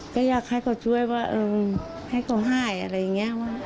ก็อยากให้เขาช่วยว่าให้เขาให้อะไรอย่างนี้